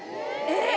えっ